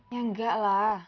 ya nggak lah